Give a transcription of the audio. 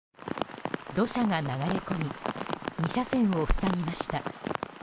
土砂が流れ込み２車線を塞ぎました。